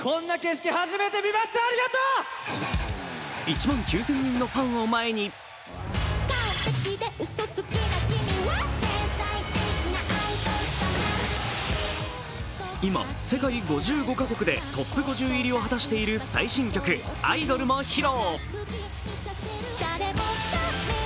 １万９０００人のファンを前に今、世界５５か国でトップ５０入りを果たしている最新曲「アイドル」も披露。